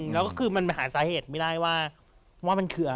แล้วก็คือมันหาสาเหตุไม่ได้ว่ามันคืออะไร